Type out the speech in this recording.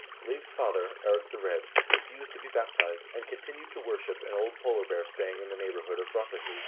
Leiv's father, Eirik the Red, refused to be baptized, and continued to worship an old polar bear staying in the neighborhood of Brattahlid.